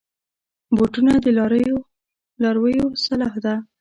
بوټونه د لارویو سلاح ده.